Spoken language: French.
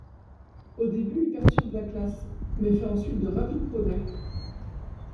Au début il perturbe la classe, mais fait ensuite de rapides progrès.